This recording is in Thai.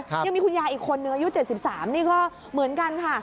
ยังมีคุณยายอีกคนนึงอายุ๗๓นี่ก็เหมือนกันค่ะ